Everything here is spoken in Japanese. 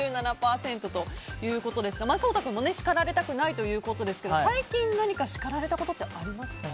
６７％ということですが颯太君も叱られたくないということですが最近、何か叱られたことってありますか？